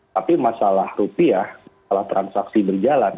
tapi masalah rupiah masalah transaksi berjalan